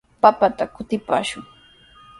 Papata kutipaashun.